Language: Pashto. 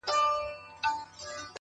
o ستا دهر توري په لوستلو سره،